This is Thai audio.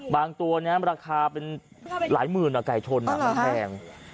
บางตัวนี้ราคาเป็นหลายหมื่นไก่ชนแหลง